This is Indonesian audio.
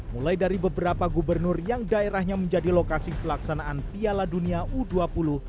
mulai dari beberapa gubernur yang daerahnya menjadi lokasi pelaksanaan piala dunia u dua puluh